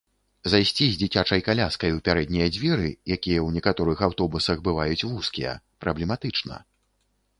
Зайсці з дзіцячай каляскай у пярэднія дзверы, якія ў некаторых аўтобусах бываюць вузкія, праблематычна.